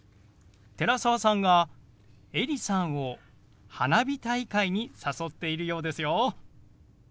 寺澤さんがエリさんを花火大会に誘っているようですよ。